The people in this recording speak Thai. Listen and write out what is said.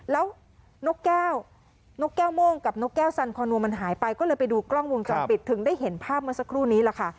แล้วนกแก้วนกแก้วโม่งกับนกแก้วสันคอนัวมันหายไปก็เลยไปดูกล้องวงจรปิดถึงได้เห็นภาพเมื่อสักครู่นี้แหละค่ะ